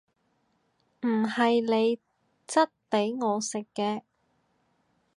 唔係你質俾我食嘅！